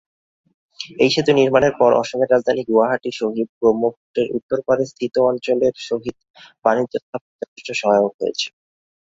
এই সেতু নির্মাণের পর অসমের রাজধানী গুয়াহাটির সহিত ব্রহ্মপুত্রের উত্তর পারে স্থিত অঞ্চলের সহিত বাণিজ্য স্থাপনে যথেষ্ট সহায়ক হয়েছে।